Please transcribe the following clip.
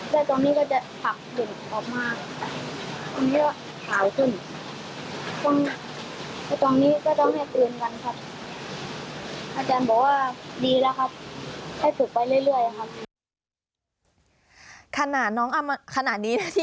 แล้วตรงนี้ก็จะผลักเด็กออกมาตรงนี้ก็ขาวขึ้น